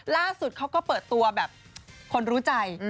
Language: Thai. ล่าสุดเขาก็เปิดตัวแบบคนรู้ใจ